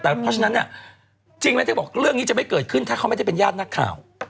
แต่เพราะฉะนั้นเนี่ยจริงแล้วที่บอกเรื่องนี้จะไม่เกิดขึ้นถ้าเขาไม่ได้เป็นญาตินักข่าว